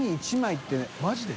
帖マジで？